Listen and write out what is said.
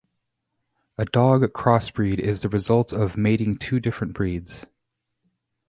A dog crossbreed is the result of mating two different breeds.